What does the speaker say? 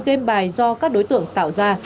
hai game bài do các đối tượng tạo ra